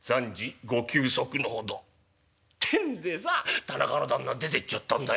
「ってんでさ田中の旦那出ていっちゃったんだよ。